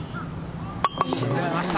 沈めました。